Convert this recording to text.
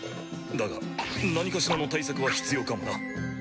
だが何かしらの対策は必要かもな。